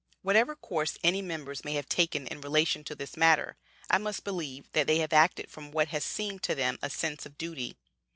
Whatever course any members may have taken in relation to this matter, I must believe that they have acted from what has seemed to them a sense of duty.